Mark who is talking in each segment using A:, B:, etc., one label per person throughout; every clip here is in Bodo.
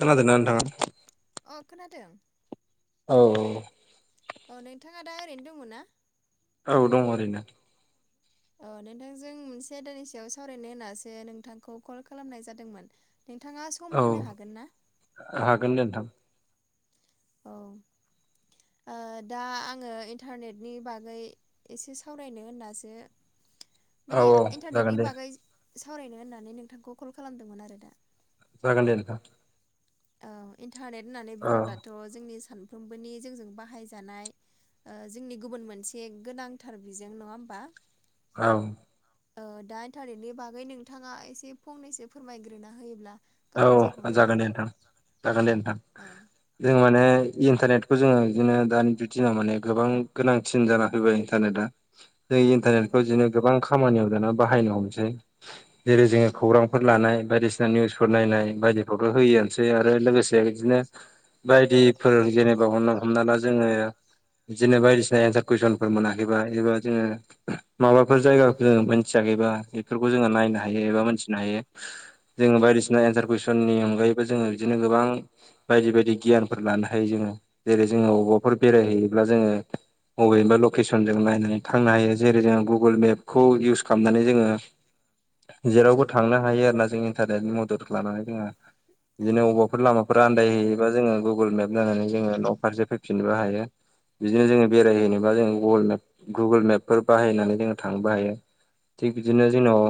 A: खोनादोंना नोंथाङा?
B: अ' खोनादों।
A: औ औ।
B: अ' नोंथाङा दा ओरैनो दङ' ना?
A: औ दं ओरैनो।
B: अ' नोंथांजों मोनसे आयदानि सायाव सावरायनो होननासो नोंथांखौ कल खालामनाय जादोंमोन। नोंथाङा
A: औ
B: सम होनो हागोन ना?
A: हागोन नोंथां।
B: औ। ओ दा आङो इन्टारनेटनि बागै एसे सावरायनो होननासो
A: औ
B: माने
A: औ
B: इन्टारनेटनि
A: जागोन दे
B: बागै सावरायनो होननानै नोंथांखौ कल खालामदोंमोन आरो दा।
A: जागोन दे नोंथां।
B: औ इन्टारनेट होननानै
A: औ
B: बुङोब्लाथ' जोंनि सानफ्रोमबोनि जोंजों बाहायजानाय ओ जोंनि गुबुन मोनसे गोनांथार बिजों नङा होमबा?
A: औ।
B: ओ दा इन्टारनेटनि बागै नोंथाङा एसे फंनैसो फोरमायग्रोना होयोब्ला गाहाम जागौ
A: औ
B: नामा?
A: जागोन दे नोंथां, जागोन दे नोंथां।
B: औ
A: जों माने इन्टारनेटखौ जोङो बिदिनो दानि दिनाव माने गोबां गोनांथिन जाना फैबाय इन्टारनेटआ। जों
B: औ
A: इन्टारनेटखौ इदिनो गोबां खामानियाव दाना बाहायनो हमसै जेरै जोङो खौरांफोर लानाय बायदिसिना निउस फोर नायनाय बायदिखौबो होयोआनोसै आरो लोगोसे बिदिनो बायदिफोर जेनेबा हरना हमना ला जोङो बिदिनो बायदिसिना एन्सार कुइसनफोर मोनाय। एबा एबा जोङो माबाफोर जायगाखौजों मोनथियाखैबा बेफोरखौ जोङो
B: औ
A: नायनो हायो एबा मोनथिनो हायो। जोङो बायदिसिना एनसार कुइसननि अनगायैबो जोङो बिदिनो गोबां बायदि बायदि गियानफोर लानो हायो जोङो जेरै जोङो अबावबाफोर बेरायहैयोब्ला जोङो बबेबा लकेसनजों नायनानै थांनो हायो जेरै जोङो गुगोल मेपखौ इउस खालामनानै जोङो
B: [unintelligible]
A: जेरावबो थांनो हायो आरोना जों इन्टारनेटनि मददखौ लानानै जोंहा
B: औ
A: बिदिनो अबावबाफोर लामाफोर आन्दाय हैयोबा जोङो गुगोल मेप नायनानै जोङो न' फारसे फै फिननोबो हायो बिदिनो जोङो बेरायहैनोबा जोङो गुगोल मेप गुगोल मेपफोर बाहायनानै जोङो थांनोबो हायो थिक बिदिनो जोंनाव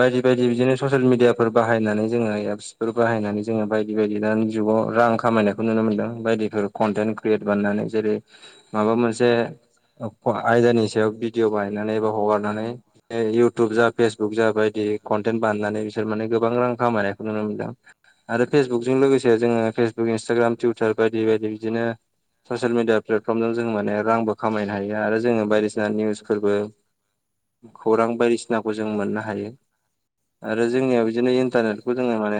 A: बायदि बायदि बिदिनो ससियेल मिडियाफोर बाहायनानै जोङो एप्स फोर बाहाय नानै जोङो बायदि बायदि दानि जुगआव रां खामायनायखौ नुनो मोन्दों बायदिफोर कन्टेन्ट क्रियेट बानायनानै जेरै माबा मोनसे अखौवा आयदानि सायाव भिडिअ' बाहायनानै एबा हगारनानै नै इउटुब जा फेसबुक जा बायदि कनटेन्ट बानायनानै बिसोर माने गोबां रां खामायनायखौ नुनो मोनदों। आरो फेसबुकजों लोगोसे जोङो फेसबुक, इन्सटाग्राम, टुइटार बायदि बायदि बिदिनो ससियेल मिडिया प्लेटफर्मजों जों माने रांबो खामायनो हायो आरो जोङो बायदिसिना निउसफोरबो खौरां बायदि सिनाखौ जों मोननो आरो
B: औ
A: जोंनिया बिदिनो इन्टारनेटखौ जोङो माने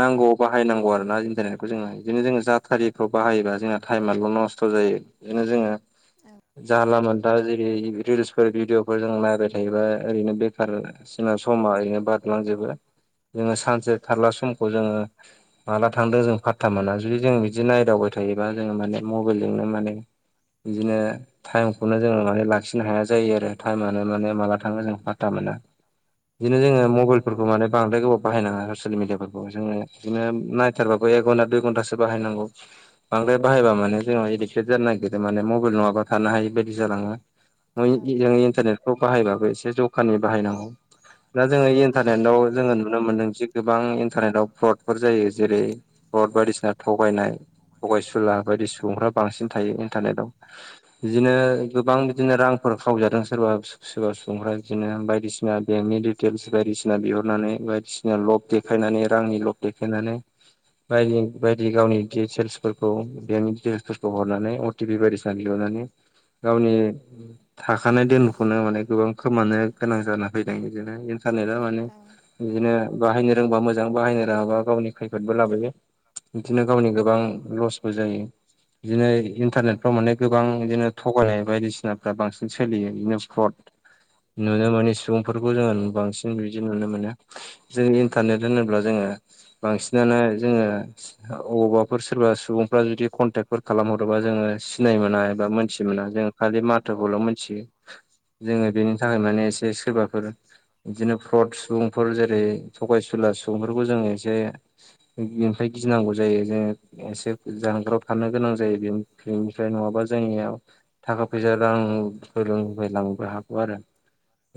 A: नांगौ बाहायनांगौ आरो ना इन्टारनेटखौ जोङो बिदिनो जोङो जाथारिखौ बाहायोबा जोंहा टाइमाबो' नस्थ' जायो। बिदिनो जोङो जानला मोनला जेरै रिलस बेफोर भिडिअफोर जों नायबाय थायोबा ओरैनो बेखार जोंना समा ओरैनो बारलांजोबो। जोङो सानसे थारला समखौ जोङो माला थांदों जों फाटथा मोना जुदि जों बिदि नायदावबाय थायोबा जोङो माने मबाइलजोंनो माने बिदिनो टाइमखौनो जोङो माने लाखिनो हाया जायो आरो टाइमानो माने माला थाङो जों फाटथा मोना। बिदिनो जोङो
B: औ
A: मबाइलफोरखौ माने बांद्राय गोबाव बाहायनाङा ससियेल मिडियाफोरखौ जोङो बिदिनो नाय थारबाबो एक घन्टा दुइ घन्टासो बायनांगौ बांद्राय बाहायबा माने जोंना एदिगटेद जानो नागिरो माने मबाइल नङाबा थानो हायि बायदि जालाङो। [unintelligible] इन्टारनेट खौ बाहायबाबो एसे जखानि बाहायनांगौ। दा जोङो इन्टारनेटाव जोङो नुनो मोनदों जि गोबां इन्टारनेटव फ्रदफोर जायो जेरै फ्लद बायदिसिना थगायनाय। थगायसुला बायदि सुबुंफ्रा बांसिन थायो इन्टारनेटआव। बिदिनो गोबां बिदिनो रांफोर खावजादों सोरबा सोरबा सुबुंफ्रा बिदिनो बायदिसिना बेंकनि दिटेल्स बायदिसिना बिहरनानै बा सिना लब देखायनानै रांनि लब देखायनानै बायदि बायदि गावनि डिटेल्सफोरखौ बेंकनि डिटेल्सफोर खौ हरनानै अटिपि बायदि सिना बिहरनानै गावनि थाखानाय दोनखौनो माने गोबां खोमानो गोनां जाना फैदों बिदिनो इन्टारनेटआ माने
B: औ।
A: बिदिनो बाहायनो रोंबा मोजां बाहायनो रोङाबा गावनि खैफोदबो लाबोयो। बिदिनो गावनि गोबां लस बो जायो। बिदिनो
B: औ
A: इन्टारनेट फ्राव माने गोबां बिदिनो थगायनाय बायदिसिनाफ्रा बांसिन सोलियो बिदिनो फ्रट नुनो मोनै सुबुंफोरखौ जोङो बांसिन बिदि नुनो मोनो। जों इन्टारनेट होनोब्ला जोङो बांसिनानो जोङो अबावबाफोर सोरबा सुबुंफ्रा जुदि कनटेक्फोर खालाम हरोबा जोङो सिनाय मोना एबा मोनथि मोना जों खालि माथोखौल' मोनथियो। जोङो बेनि थाखाय माने एसे सोरबाफोर बिदिनो फ्रद सुबुं फोर जेरै थगायसुला सुबुंफोरखौ जोङो एसे बिनिफ्राय गिनांगौ जायो जोङो एसे जानगाराव थानो गोनां जायो बे बेनिफ्राय नङाबा जोंनियाव थाखा फैसा रां [unintelligible] हागौ आरो।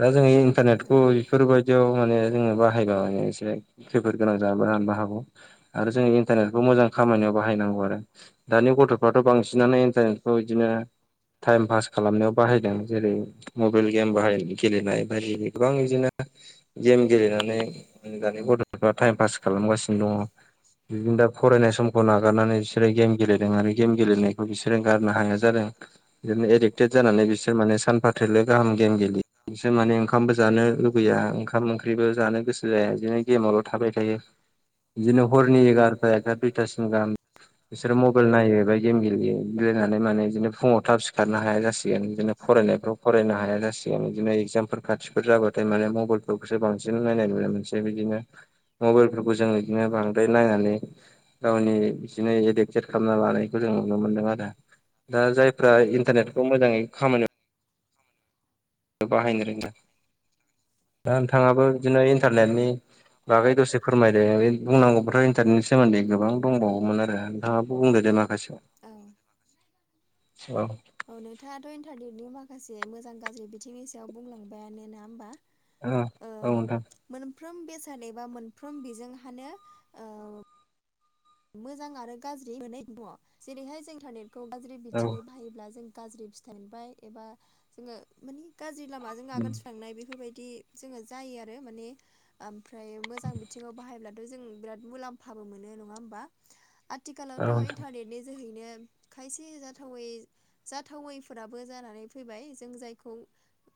A: दा जोङो
B: औ
A: इन्टारनेटखौ बेफोरबायदियाव माने जोङो बाहायबा एसे खैफोद गोनां जानोबो हानोबो हागौ। आरो जोङो इन्टारनेटखौ मोजां खामानियाव बाहायनांगौ आरो। दानि गथ'फ्राथ' बांसिनानो इन्टारनेटखौ बिदिनो टाइम पास खालामनायाव बाहायदों जेरै मबाइल गेम बाहाय गेलेनाय बायदि गोबां बिदिनो गेम गेलेनानै दानि गथ'फ्रा टाइम पास खालामगासिनो दङ। बिदिनो दा फरायनाय समखौ नागारनानै बिसोरो गेम गेलेदों आरो गेम गेलेनायखौ बिसोरो गारनो हाया जादों। बिदिनो एदिक्टेड जानानै बिसोर माने सानफाथोलो गाहाम गेम गेलेयो बिसोर माने ओंखामबो जानो लु गैया ओंखाम ओंख्रिबो जानो गोसो जाया बिदिनो गेमावल' थाबाय थायो। बिदिनो हरनि एगार'था एता दुइथासिम गाहाम बिसोरो मबाइल नायो बा गेम गेलेयो गेलेनानै माने बिदिनो फुङाव थाब सिखारनो हाया जासिगोन बिदिनो फरायनायफ्राव फरायनो हाया जासिगोन बिदिनो इगजामफोर खाथिफोर जाबाथाय माने मबाइलफ्राव सो बांसिन नायनाय नुनो मोनसै। बिदिनो मबाइलफोरखौ जों बिदिनो बांद्राय नायनानै गावनि बिदिनो एडेक्टेट खालामना लानायखौ जों नुनो मोनदों आरो दा जाय फ्रा
B: ओंख्रिबो
A: इन्टारनेटखौ मोजाङै खामानिआव बाहायनो [unintelligible] दा नोंथाङाबो बिदिनो इन्टारनेटनि बागै दसे फोरमायदो बे बुंनांगौबाथ' इन्टारनेटनि सोमोन्दै गोबां दंबावोमोन आरो नोंथाङाबो बुंदो दे माखासेखौ।
B: ओं।
A: औ।
B: औ नोंथाङाथ' इन्टारनेटनि माखासे मोजां गाज्रि बिथिंनि सायाव बुंलांबायानो नोङा होमबा?
A: ओ औ नोंथां।
B: मोनफ्रोम बेसाद एबा मोनफ्रोम बिजोंहानो ओ मोजां आरो गाज्रि मोननै दङ जेरैहाय जों इन्टारनेटखौ गाज्रि
A: औ
B: बिथिङै बाहायोब्ला जों गाज्रि फि थाइ मोनबाय एबा जोङो माने गाज्रि लामाजों आगान सुरलांनाय बेफोरबायदि जोङो जायो आरो माने ओमफ्राय मोजां बिथिङाव बाहायब्ला जों बिराद मुलाम्फाबो मोनो नङा होमबा?
A: औ
B: आथिखालावथ'
A: नोंथां
B: इन्टारनेटनि जोहैनो खायसे जाथावै जाथावैफोराबो जानानै फैबाय जों जायखौ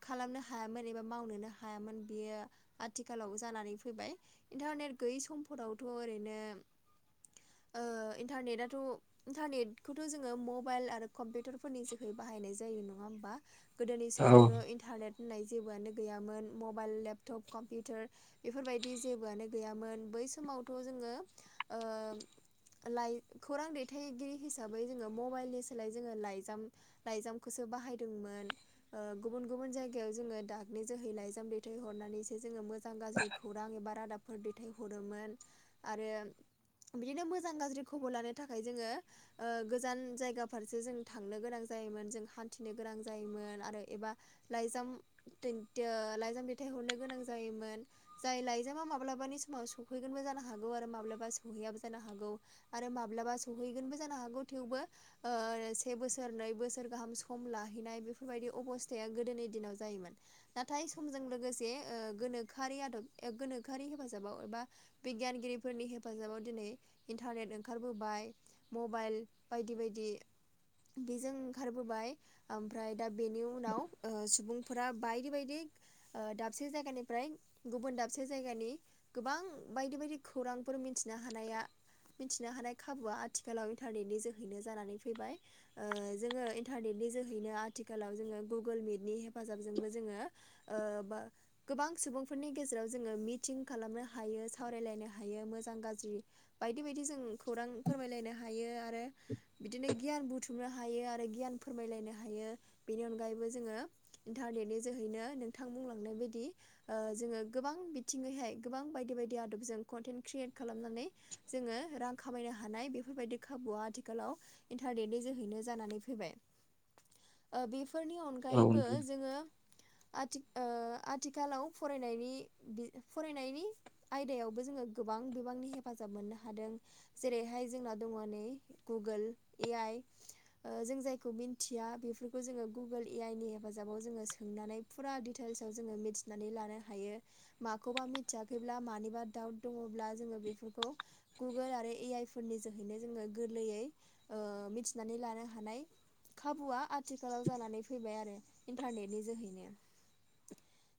B: खालामनो हायामोन एबा मावनोनो हायामोन बेयो आथिखालाव जानानै फैबाय। इन्टारनेट गैयै समफोरावथ' ओरैनो ओ इन्टारनेटआथ' इन्टारनेटखौथ' जोङो मबाइल आरो कम्पिउटारफोरनि जोहै बाहायनाय जायो नङा होमबा? गोदोनि
A: औ
B: समावथ' इन्टारनेट होननाय जेबोआनो गैयामोन मबाइल, लेपटप, कम्पिउटार बेफोरबायदि जेबोआनो गैयामोन बै समावथ' जोङो ओ लाइ खौरां दैथायगिरि हिसाबै जोङो मबाइलनि सोलाय जोङो लाइजाम लाइजामखौसो बाहायदोंमोन। ओ गुबुन गुबुन जायगायाव जोङो दाघनि जोहै लाइजाम दैथाय हरनानैसो जोङो मो जां गाज्रि खौरां एबा रादाबफोर दैथायहरोमोन आरो बिदिनो मोजां गाज्रि खबर लानो थाखाय जोङो ओ गोजान जायगा फारसे जों थांनो गोनां जायोमोन जों हान्थिनो गोनां जायोमोन आरो एबा लाइजाम दै द लाइजाम दैथायहरनो गोनां जायोमोन। जाय लाइजामा माब्लाबानि समाव सौफैगोनबो जानो हागौ आरो माब्लाबा स सौहैयाबो जानो हागौ आरो माब्लाबा सहैगोनबो जानो हागौ थेवबो ओ से बोसोर नै बोसोर गाहाम सम लाहैनाय बेफोरबायदि अबस्थाया गोदोनि दिनाव जायोमोन। नाथाय समजों लोगोसे ओ गोनोखोआरि आदब गोनोखोआरि हेफाजाबाव एबा बिगियानगिरिफोरनि हेफ फाजाबाव दिनै इन्टारनेट ओंखारबोबाय मबाइल बायदि बायदि बेजों ओंखारबोबाय। ओमफ्राय दा बेनि उनाव ओ सुबुंफोरा बायदि बायदि ओ दाबसे जायगानिफ्राय गुबुन दाबसे जायगानि गोबां बायदि बायदि खौरांफोर मिनथिनो हानाया मिनथिनो हानाय खाबुआ आथिखालाव इन्टारनेटनि जोहैनो जानानै फैबाय। ओ जोङो इन्टारनेटनि जोहैनो आथिखालाव जोङो गुगोल मिटनि हेफाजाबजोंबो जोङो ओ बा गोबां सुबुंफोरनि गेजेराव जोङो मिटिं खालामनो हायो सावरायलायनो हायो मोजां जां गाज्रि बायदि बायदि जों खौरां फोरमायलायनो हायो आरो बिदिनो गियान बुथुमनो हायो आरो गियान फोरमायलायनो हायो बेनि अनगायैबो जोङो इन्टारनेटनि जोहैनो नोंथां बुंलांनाय बायदि ओ जोङो गोबां बिथिङैहाय गोबां बायदि बायदि आदबजों कन्टेन्ट क्रियेट खालामनानै जोङो रां खामायनो हानाय बेफोरबायदि खाबुआ आथिखालाव इन्टारनेटनि जोहैनो जानानै फैबाय ओ बेफोरनि अन
A: औ
B: गायैबो
A: नोंथां
B: जोङो आथि ओ आथिखालाव फरायनायनि बि फरायनायनि आयदायावबो जोङो गोबां बिबांनि हेफाजाब मोननो हादों। जेरैहाय जोंना दङ नै गुगोल ए आइ जों जायखौ मिथिया बेफोरखौ जोङो गुगोल ए आइ नि हेफाजाबाव जोङो सोंनानै फुरा डिटेल्साव जोङो मिथिनानै लानो हायो माखौबा मिथियाखैब्ला मानिबा डाउट दङब्ला जोङो बेफोरखौ गुगोल आरो ए आइ फोरनि जोहैनो जोङो गोरलैयै ओ मिथिनानै लानो हानाय खाबुआ आथिखालाव जानानै फैबाय आरो इन्टारनेटनि जोहैनो।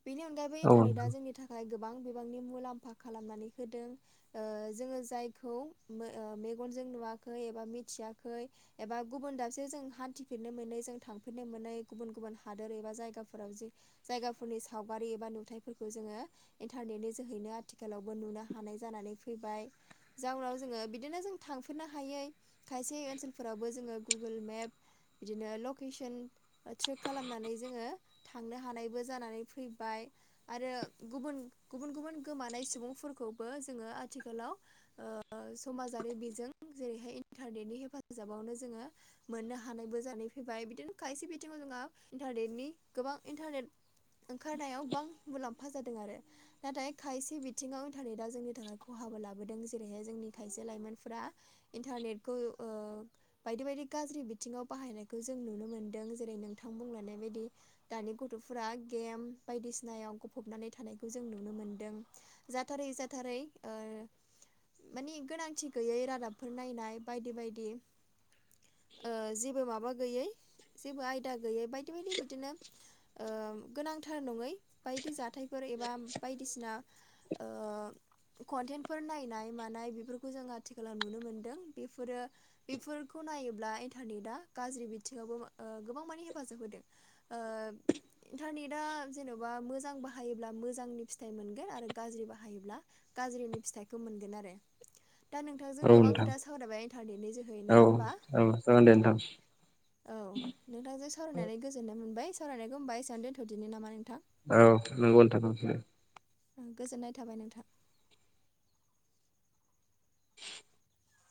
B: बेनि अनगायैबो
A: औ
B: इन्टारनेटआ
A: नोंथां
B: जोंनि थाखाय गोबां बिबांनि मुलाम्फा खालामनानै होदों। ओ जोङो जायखौ मेगनजों नुवाखै एबा मिथियाखै एबा गुबुन दाबसे जों हान्थिफिननो मोनै जों थांफेरनो मोनै गुबुन गुबुन हादोर एबा जायगाफोराव जे जायगाफोरनि सावगारि एबा नुथायफोरखौ जोङो इन्टारनेटनि जोहैनो आथिखालावबो नुनो हानाय जानानै फैबाय, जाउनाव जोङो बिदिनो जों थांफेरनो हायै खायसे ओनसोलफोरावबो जोङो गुगोल मेप बिदिनो लकेसन ट्रेक खालामनानै जोङो थांनो हानायबो जानानै फैबाय आरो गुबुन, गुबुन गुबुन गोमानाय सुबुंफोरखौ बो जोङो आथिखालाव ओ समाजारि बिजों जेरैहाय इन्टारनेटनि हेफाजाबावनो जोङो मोननो हानायबो जानाय फैबाय। बिदिनो खायसे बिथिङाव जोंहा इन्टारनेटनि गोबां इन्टारनेट ओंखारनायाव गोबां मुलाम्फा जादों आरो नाथाय खायसे बिथिङाव इन्टारनेटआ जोंनि थाखाय खहाबो लाबोदों जेरैहाय जोंनि खायसे लाइमोनफोरा इन्टारनेटखौ ओ बायदि बायदि गाज्रि बिथिङाव बाहायनायखौ जों नुनो मोन्दों जेरै नोंथां बुंनाय बायदि। दानि गथ'फोरा गेम बायदिसिनायाव गफबनानै थानायखौ जों नुनो मोनदों जा थारै जाथारै ओ माने गोनांथि गैयै रादाबफोर नायनाय बायदि बायदि ओ जेबो माबा गैयै जेबो आयदा गैयै बायदि बायदि बिदिनो ओ गोनांथार नङै बायदि जाथाय फोर एबा बायदिसिना ओ कन्टेन्टफोर नायनाय मानाय बेफोरखौ जों आथिखालाव नुनो मोनदों बेफोरो बेफोरखौ नायोब्ला इन्टारनेटआ गाज्रि बिथिङावबो ओ गोबां माने हेफाजाब होदों। ओ इन्टारनेटआ जेन'बा मोजां बाहायोब्ला मोजांनि फिथाइ मोनगोन आरो गाज्रि बाहायोब्ला गाज्रिनि फिथाइखौ मोनगोन आरो। दा नोंथांजों
A: औ
B: गोबां
A: नोंथां
B: खोथा सावरायबाय इन्टारनेटनि जोहै
A: औ
B: नङा होमबा?
A: जागोन दे नोंथां
B: औ नोंथांजों सावरायनानै गोजोननाय मोनबाय। सावरायनायखौ होमबा एसेआवनो दोन्थ'दिनि नामा नोंथां?
A: औ नोंगौ नोंथां औ दे।
B: ओं गोजोननाय थाबाय नोंथां।